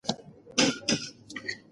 بازار ته پلي تلل د ورځې فعالیت برخه ده.